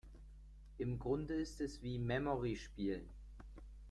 Im Grunde ist es wie Memory spielen.